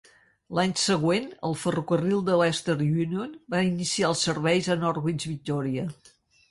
L'any següent, el ferrocarril de l'Eastern Union va iniciar els serveis a Norwich Victoria.